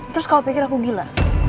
terus kalau pikir aku gila